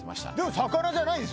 魚じゃないです。